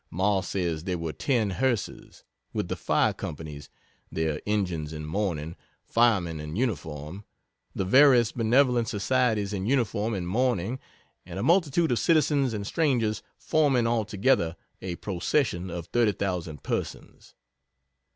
Ma says there were 10 hearses, with the fire companies (their engines in mourning firemen in uniform,) the various benevolent societies in uniform and mourning, and a multitude of citizens and strangers, forming, altogether, a procession of 30,000 persons!